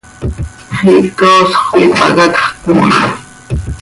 Xiica oosx coi pac hacx cömooit.